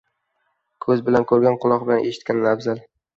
• Ko‘z bilan ko‘rgan quloq bilan eshitgandan afzal.